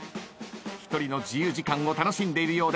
一人の自由時間を楽しんでいるようです。